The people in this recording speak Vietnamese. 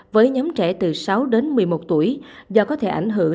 với nhóm trẻ từ sáu đến một mươi một tuổi do có thể ảnh hưởng